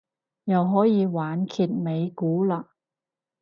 又可以玩揭尾故嘞